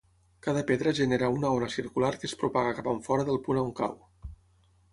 Cada pedra genera una ona circular que es propaga cap enfora del punt on cau.